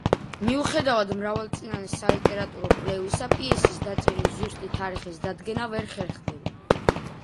მიუხედავად მრავალწლიანი სალიტერატურო კვლევისა, პიესის დაწერის ზუსტი თარიღის დადგენა ვერ ხერხდება.